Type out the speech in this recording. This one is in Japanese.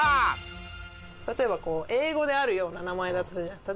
例えば英語であるような名前だとするじゃないですか。